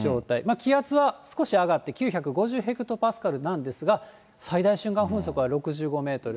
気圧は少し上がって９５０ヘクトパスカルなんですが、最大瞬間風速は６５メートル。